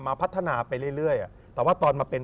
พัฒนาไปเรื่อยแต่ว่าตอนมาเป็น